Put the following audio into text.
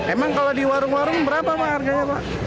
emang kalau di warung warung berapa pak harganya pak